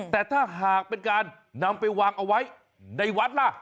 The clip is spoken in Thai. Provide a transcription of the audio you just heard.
แต่ถ้าหากเป็นการนำไปวางเอาไว้ในวัดล่ะ